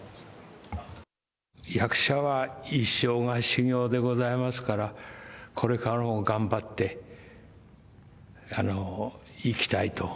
役者は一生が修業でございますから、これからも頑張っていきたいと。